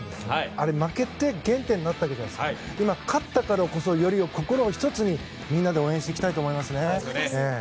あれ、負けて減点になったわけですけど今、勝ったからこそより心を１つに、みんなで応援していきたいと思いますね。